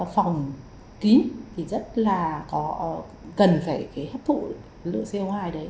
phòng kín thì rất là có cần phải cái hấp thụ lượng co hai đấy